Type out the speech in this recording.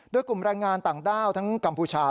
โดยกลุ่มแรงงานต่างด้าวทั้งกัมพูชา